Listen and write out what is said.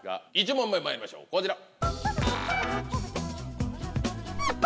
１問目まいりましょうこちら。